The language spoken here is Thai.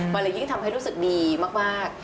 มันเลยยิ่งทำให้รู้สึกดีมาก